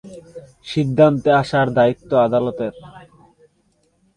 সিদ্ধান্তে আসার দায়িত্ব আদালতের।